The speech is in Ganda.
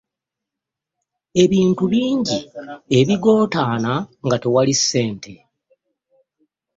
Ebintu bingi ebigootaana nga tewali ssente.